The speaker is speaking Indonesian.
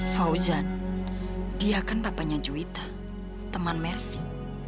faujan dia kan papanya juwita teman mercy